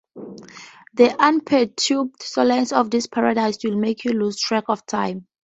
The unperturbed solace of this paradise will make you lose track of time.